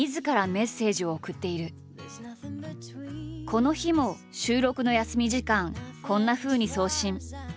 この日も収録の休み時間こんなふうに送信。